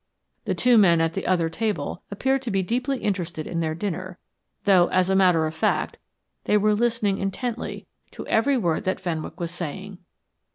The two men at the other table appeared to be deeply interested in their dinner, though, as a matter of fact, they were listening intently to every word that Fenwick was saying.